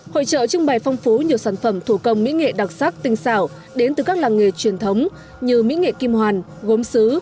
hội trợ trưng bày phong phú nhiều sản phẩm thủ công mỹ nghệ đặc sắc tinh xảo đến từ các làng nghề truyền thống như mỹ nghệ kim hoàn gốm xứ